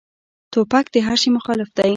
توپک د هر شي مخالف دی.